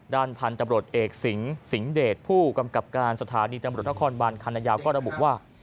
ด้านพันธุ์ตำรวจเอกสิงสิงหเดชผู้กำกับการสถานีตำรวจนครบานคันนายาวก็ระบุว่า